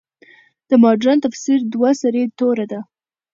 د مډرن تفسیر دوه سرې توره ده.